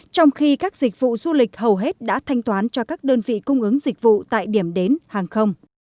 trong khi các dịch vụ du lịch hầu hết đã thanh toán cho các đơn vị cung ứng dịch vụ tại điểm đến hàng không